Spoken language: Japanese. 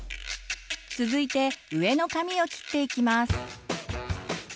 続いて上の髪を切っていきます。